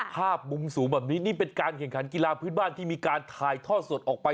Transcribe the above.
ภาพมุมสูงแบบนี้นี่เป็นการแข่งขันกีฬาพื้นบ้านที่มีการถ่ายทอดสดออกไป